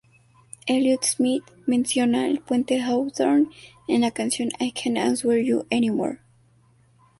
Elliott Smith menciona el Puente Hawthorne en la canción "I Can't Answer You Anymore".